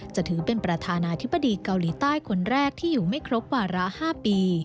ถือเป็นประธานาธิบดีเกาหลีใต้คนแรกที่อยู่ไม่ครบวาระ๕ปี